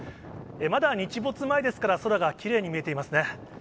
まだ日没前ですから、空がきれいに見えていますね。